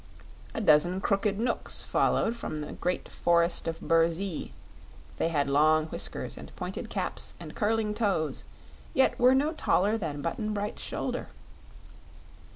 A dozen crooked Knooks followed from the great Forest of Burzee. They had long whiskers and pointed caps and curling toes, yet were no taller than Button Bright's shoulder.